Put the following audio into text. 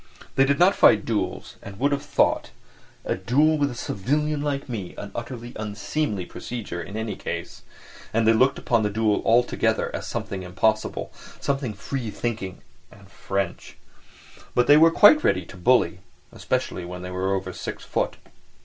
They did not fight duels and would have thought a duel with a civilian like me an utterly unseemly procedure in any case—and they looked upon the duel altogether as something impossible, something free thinking and French. But they were quite ready to bully, especially when they were over six foot.